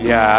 ya pak d